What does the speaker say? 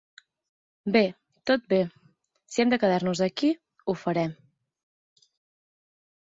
Bé, tot bé. Si hem de quedar-nos aquí, ho farem.